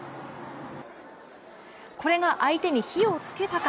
これが相手に火をつけたか。